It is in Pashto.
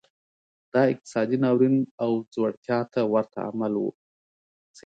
دا اقتصادي ناورین او ځوړتیا ته ورته عمل و.